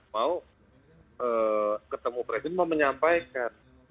mau ketemu presiden mau menyampaikan